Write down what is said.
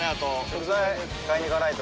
食材買いに行かないと。